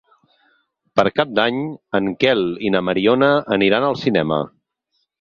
Per Cap d'Any en Quel i na Mariona aniran al cinema.